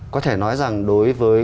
có thể nói rằng đối với